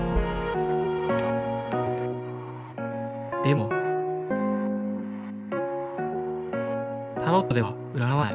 でもタロットでは占わない。